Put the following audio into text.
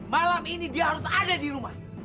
malam ini dia harus ada di rumah